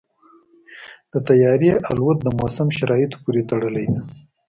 د طیارې الوت د موسم شرایطو پورې تړلې ده.